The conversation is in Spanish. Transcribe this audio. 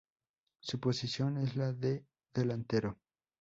Su posición es la de delantero.